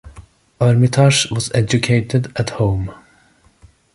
Armitage was educated at home.